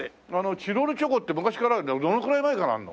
チロルチョコって昔からあるけどどのぐらい前からあるの？